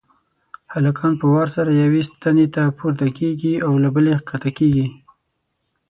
هلکان په وار سره یوې ستنې ته پورته کېږي او له بلې کښته کېږي.